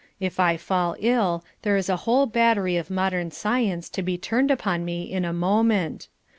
If I fall ill, there is a whole battery of modern science to be turned upon me in a moment.